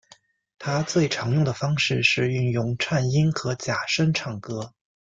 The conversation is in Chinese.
他最常用的方式是运用颤音和假声唱歌。